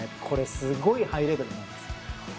これ、すごいハイレベルなんです。